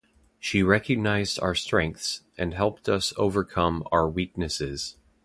She recognized our strengths and helped us overcome our weaknesses.